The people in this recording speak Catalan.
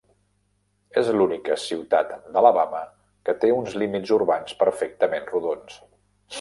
És l'única ciutat d'Alabama que té uns límits urbans perfectament rodons.